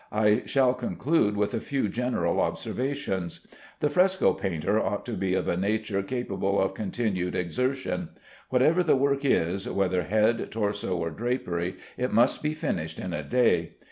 I shall conclude with a few general observations. The fresco painter ought to be of a nature capable of continued exertion. Whatever the work is, whether head, torso, or drapery, it must be finished in a day.